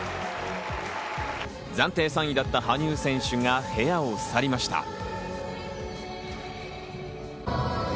暫定３位だった羽生選手が部屋を去りました。